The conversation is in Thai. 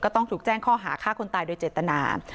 ต้องถูกแจ้งข้อหาฆ่าคนตายโดยเจตนา